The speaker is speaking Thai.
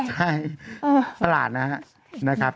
ใช่ตลาดนะครับ